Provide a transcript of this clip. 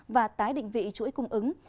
và tái định vị chuỗi cung ứng